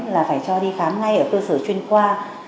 là phải cho đi khám ngay ở cơ sở chuyên khoa